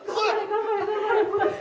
頑張れ頑張れ。